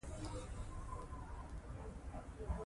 که زده کوونکي علمي تجربه کوي، سمه پایله تر لاسه کوي.